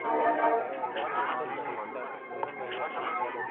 o تنکی رويباره له وړې ژبي دي ځارسم که نه ـ